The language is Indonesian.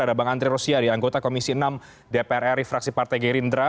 ada bang andri rosyari anggota komisi enam dprr refraksi partai gerindra